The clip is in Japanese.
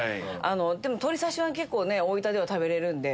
でも鳥刺しは大分では食べれる。